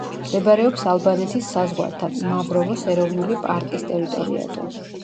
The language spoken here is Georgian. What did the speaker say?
მდებარეობს ალბანეთის საზღვართან, მავროვოს ეროვნული პარკის ტერიტორიაზე.